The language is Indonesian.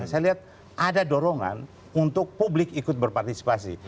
saya lihat ada dorongan untuk publik ikut berpartisipasi